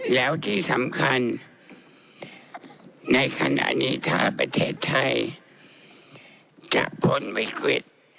แล้วที่สำคัญในขณะนี้ถ้าประเทศไทยจะพ้นวิกฤต